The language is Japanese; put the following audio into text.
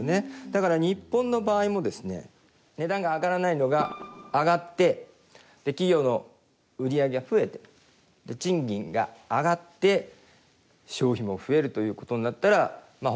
だから日本の場合もですね値段が上がらないのが上がって企業の売り上げが増えて賃金が上がって消費も増えるということになったらまあ